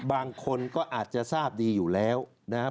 บางคนก็อาจจะทราบดีอยู่แล้วนะครับ